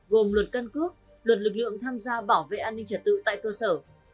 gồm luật cân cước luật lực lượng tham gia bảo vệ an ninh trật tự tại cơ sở